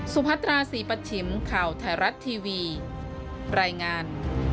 พัตราศรีปัชชิมข่าวไทยรัฐทีวีรายงาน